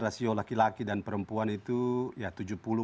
rasio laki laki dan perempuan itu